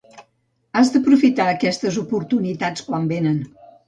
Has d'aprofitar aquestes oportunitats quan venen.